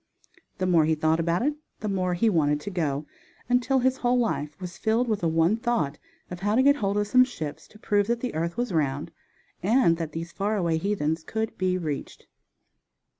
The more he thought about it the more he wanted to go, until his whole life was filled with the one thought of how to get hold of some ships to prove that the earth was round, and that these far away heathens could be reached.